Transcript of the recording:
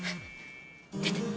出て！